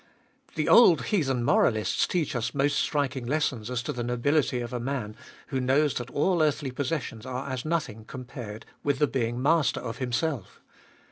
The old heathen moralists teach us most striking lessons as to the nobility of a man who knows that all earthly possessions are as nothing compared with the being master of himself.